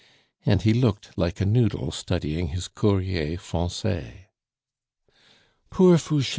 And he looked like a noodle studying his Courrier Francais. "Poor Fouche!"